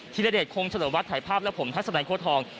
ที่ราเดชโครงฉศวรวัฒน์ถ่ายภาพและผมทัศน์ไหนโค้ดทอง